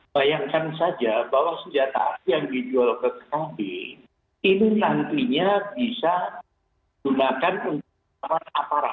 bayangkan saja bahwa senjata api yang dijual ke kb ini nantinya bisa digunakan untuk aparat aparat